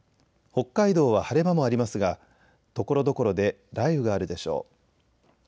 北海道は晴れ間もありますがところどころで雷雨があるでしょう。